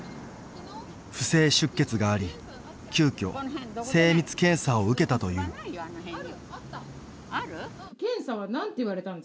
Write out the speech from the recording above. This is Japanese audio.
不正出血があり急きょ精密検査を受けたという喪服を！